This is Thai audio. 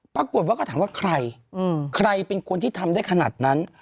ปรากฏว่าก็ถามว่าใครใครเป็นคนที่ทำได้ขนาดนั้น